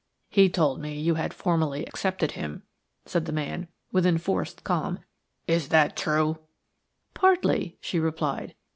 "He told me you had formally accepted him," said the man, with enforced calm; "is that true?" "Partly," she replied.